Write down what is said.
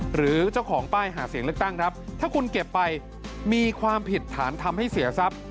หรือเจ้าของป้ายหาเสียงเลือกตั้งครับถ้าคุณเก็บไปมีความผิดฐานทำให้เสียทรัพย์